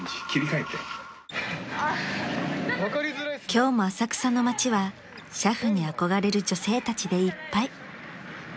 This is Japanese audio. ［今日も浅草の町は俥夫に憧れる女性たちでいっぱい］